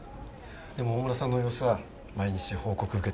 でも大村さんの様子は毎日報告受けてましたよ。